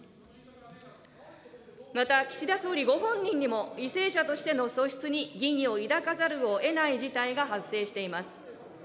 また岸田総理ご本人にも、為政者としての素質に疑義を抱かざるをえない事態が発生しています。